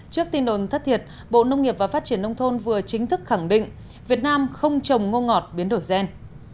trước tin đồn thất thiệt bộ nông nghiệp và phát triển nông thôn vừa chính thức khẳng định việt nam không trồng ngô ngọt biến đổi gen